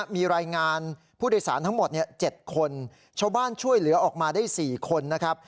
มีรายงานผู้โดยสารทั้งหมด๗คนชาวบ้านช่วยเหลือออกมาได้๔คนนะครับ